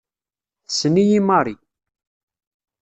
Tessen-iyi Mari.